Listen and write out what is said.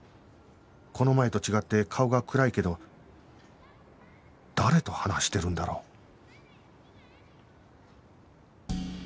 この前と違って顔が暗いけど誰と話してるんだろう？